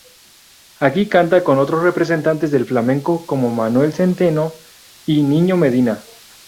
Aquí canta con otros representantes del flamenco como Manuel Centeno y el Niño Medina.